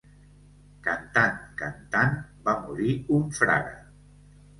Cantant, cantant, va morir un frare.